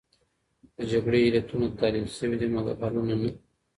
د جګړې علتونه تحلیل شوې دي، مګر حلونه نه.